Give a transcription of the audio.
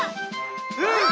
うん！